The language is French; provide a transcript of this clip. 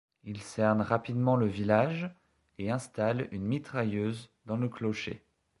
Ils cernent rapidement le village et installent une mitrailleuse dans le clocher.